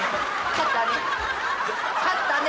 勝ったね。